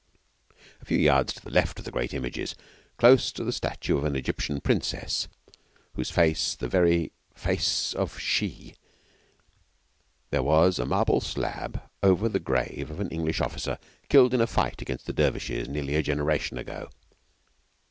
A few yards to the left of the great images, close to the statue of an Egyptian princess, whose face was the very face of 'She,' there was a marble slab over the grave of an English officer killed in a fight against dervishes nearly a generation ago.